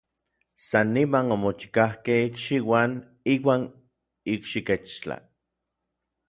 San niman omochikajkej ikxiuan iuan ikxikechtla.